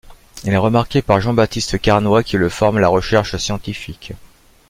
Il est remarqué par Jean-Baptiste Carnoy qui le forme à la recherche scientifique.